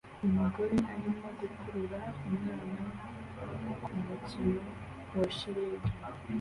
Umugore arimo gukurura umwana kumukino wa shelegi